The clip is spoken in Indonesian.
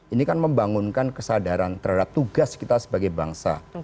ini kan membangunkan kesadaran terhadap tugas kita sebagai bangsa